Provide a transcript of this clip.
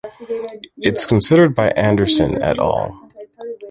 It’s considered by Anderson “et al.